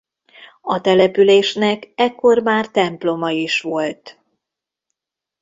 A településnek ekkor már temploma is volt.